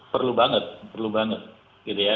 perlu banget perlu banget gitu ya